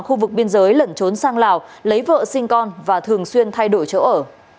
khu vực biên giới lẩn trốn sang lào lấy vợ sinh con và thường xuyên thay đổi chỗ ở